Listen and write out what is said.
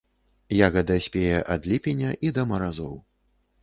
Ягада спее ад ліпеня і да маразоў.